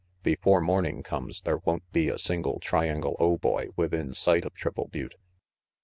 "Before morning comes there won't be a single Triangle O boy within sight of Triple Butte."